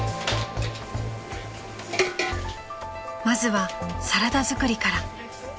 ［まずはサラダ作りから］